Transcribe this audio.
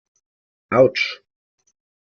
Autsch!